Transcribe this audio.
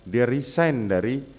dia resign dari ajudan suami saudara